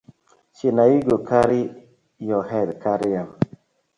Shey na yu go karry yu head carry am.